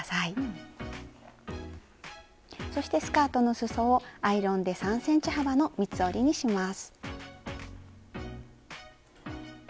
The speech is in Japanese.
そしてスカートのすそをアイロンで３ｃｍ幅の三つ折りにします。